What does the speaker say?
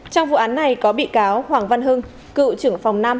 trong vụ án này có bị cáo hoàng văn hưng cựu trưởng phòng năm